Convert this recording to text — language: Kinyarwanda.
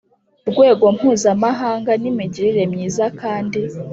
rwego mpuzamahanga n imigirire myiza kandi